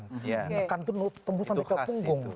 tekan itu tembus sampai ke punggung